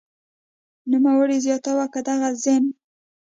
نوموړې زیاتوي که دغه زېنک